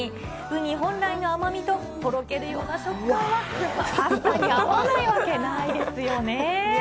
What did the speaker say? ウニ本来の甘みと、とろけるような食感は、パスタに合わないわけがないですよね。